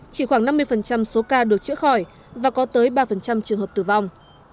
chỉ khoảng năm mươi số ca được chữa khỏi và có tới ba trường hợp tử vong